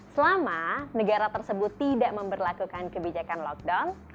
selama negara tersebut tidak memperlakukan kebijakan lockdown